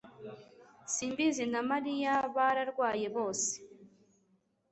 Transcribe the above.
simbizi na mariya bararwayebose